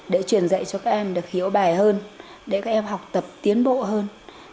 để truyền dạy cho các em được hiểu bài hơn để các em học tập tiến bộ hơn